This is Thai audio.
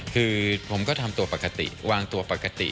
คือผมก็ทำตัวปกติวางตัวปกติ